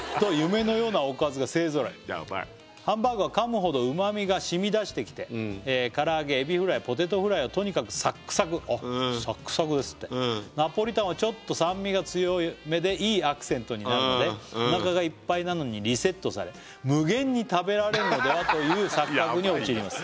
ハンバーグは噛むほど旨みが染みだしてきて唐揚げエビフライポテトフライはとにかくサックサクあっサックサクですってナポリタンはちょっと酸味が強めでいいアクセントになってておなかがいっぱいなのにリセットされという錯覚に陥ります